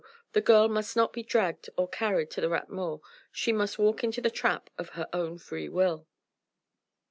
the girl must not be dragged or carried to the Rat Mort. She must walk into the trap of her own free will."